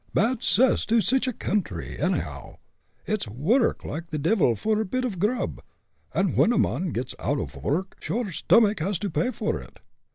Bad 'cess to sich a counthry, onny how. It's wurruk like the divil for a bit of grub, and when a mon gits out ov wurruk sure stomick has to pay for it.